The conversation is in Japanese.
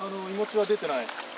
いもちは出てない。